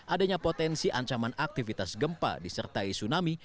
adanya potensi ancaman aktivitas gempa disertai tsunami